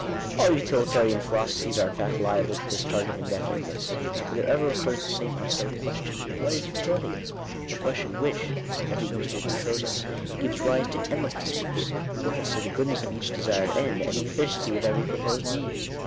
All utilitarian philosophies are in feet liable to this charge of indefiniteness, for there ever recurs the same unsettled question — what is utility ?— a ques tion which, as every newspaper shows us, gives rise to endless disputes, both as to the goodness of each desired end, and the efficiency of every proposed means.